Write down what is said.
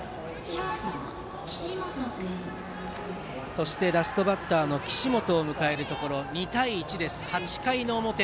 そして、ラストバッターの岸本を迎えるところ２対１です、８回の表。